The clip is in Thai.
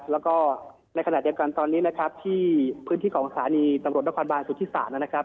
แล้วก็ในขณะเดียวกันตอนนี้นะครับที่พื้นที่ของสถานีตำรวจนครบาลสุทธิศาสตร์นะครับ